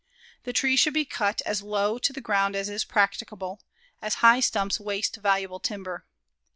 The trees should be cut as low to the ground as is practicable, as high stumps waste valuable timber.